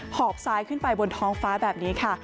หอบซ้ายขึ้นไปบนท้องฟ้าแบบนี้ค่ะ